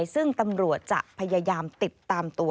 ซึ่งตำรวจจะพยายามติดตามตัว